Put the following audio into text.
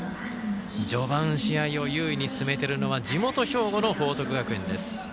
序盤、試合を優位に進めているのは地元・兵庫の報徳学園です。